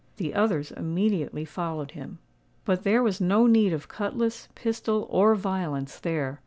The others immediately followed him. But there was no need of cutlass, pistol, or violence there.